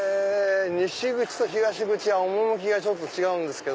西口と東口は趣がちょっと違うんですけどね。